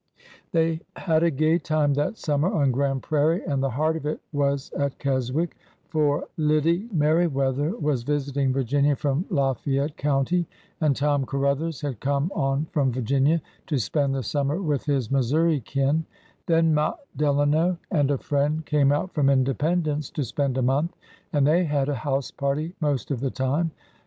They had a gay time that summer on Grand Prairie, and the heart of it was at Keswick, for Lide Merriweather 140 ORDER NO. 11 was visiting Virginia from Lafayette County, and Tom Caruthers had come on from Virginia to spend the sum mer with his Missouri kin/' Then Matt Delano and a friend came out from Independence to spend a month, and they had a house party most of the time.